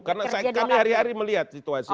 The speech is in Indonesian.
karena kami hari hari melihat situasi